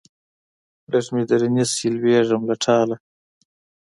لږ مې درنیسئ لوېږم له ټاله